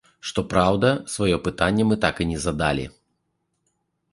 Што праўда, сваё пытанне мы так і не задалі.